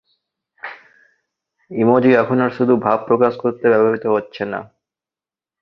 Emoji এখন আর শুধু ভাব প্রকাশ করতে ব্যবহৃত হচ্ছে না।